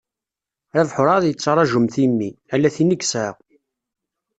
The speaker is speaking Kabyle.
Rabeḥ ur εad yettraju mm timmi, ala tin i yesεa.